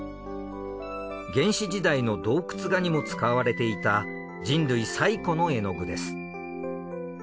原始時代の洞窟画にも使われていた人類最古の絵の具です。